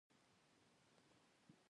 توره گڼه ږيره يې وګروله.